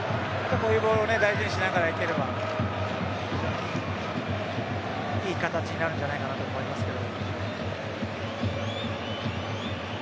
こういうボールを大事にしながらいければいい形になるんじゃないかなと思いますけど。